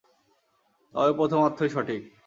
তবে প্রথম অর্থই সঠিক।